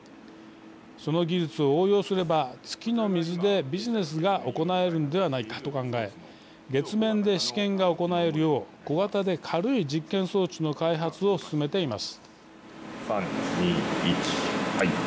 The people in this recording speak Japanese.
その技術を応用すれば月の水でビジネスが行えるのではないかと考え月面で試験が行えるよう小型で軽い実験装置の開発を進めています。